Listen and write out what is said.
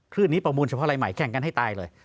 ื่นนี้ประมูลเฉพาะอะไรใหม่แข่งกันให้ตายเลย